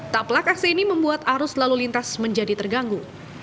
tak pelak aksi ini membuat arus lalu lintas menjadi terganggu